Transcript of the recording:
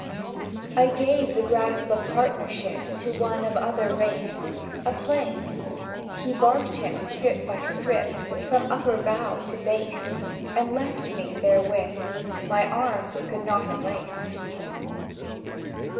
I gave the grasp of partnership To one of other race— A plane: he barked him strip by strip From upper bough to base; And me therewith; for gone my grip, My arms could not enlace.